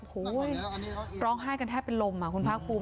โอ้โหร้องไห้กันแทบเป็นลมคุณภาคภูมิ